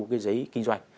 cái giấy kinh doanh